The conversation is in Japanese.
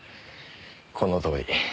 このとおり。